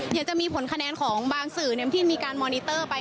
เดี๋ยวจะมีผลคะแนนของบางสื่อที่มีการมอนิเตอร์ไป